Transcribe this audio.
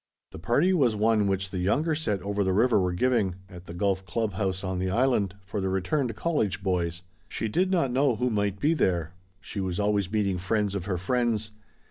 The party was one which the younger set over the river were giving at the golf club house on the Island for the returned college boys. She did not know who might be there she was always meeting friends of her friends.